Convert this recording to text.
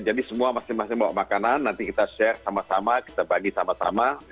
jadi semua masing masing bawa makanan nanti kita share sama sama kita bagi sama sama